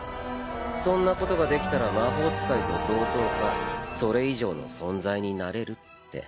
そんなことができたら魔法使いと同等かそれ以上の存在になれるって。